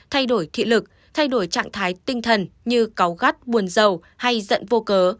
thay đổi thị lực thay đổi trạng thái tinh thần như cáu gắt buồn dầu hay giận vô cớ